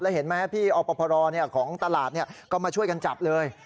เห็นไหมพี่อปพรของตลาดก็มาช่วยกันจับเลย